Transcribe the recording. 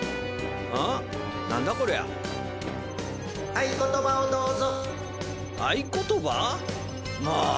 「合言葉をどうぞ」